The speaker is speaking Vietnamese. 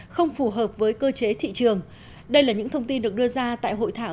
không phù hợp với cơ chế thị trường đây là những thông tin được đưa ra tại hội thảo